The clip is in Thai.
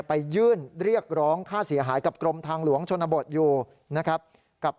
ไปยื่นเรียกร้องค่าเสียหายกับกรมทางหลวงชนบทอยู่นะครับกับ